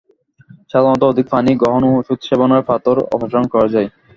সাধারণত অধিক পানি গ্রহণ ও ঔষধ সেবনের পাথর অপসারণ করা যায়।